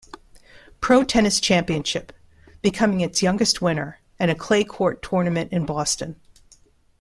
Pro Tennis Championship, becoming its youngest winner, and a clay court tournament in Boston.